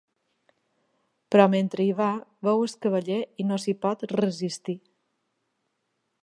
Però mentre hi va, veu el cavaller i no s'hi pot resistir.